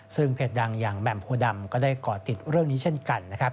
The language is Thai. ซึ่งเผ็ดดังแม่มภูดำก็ได้ก่อก่อนติดเรื่องนี้เช่นกัน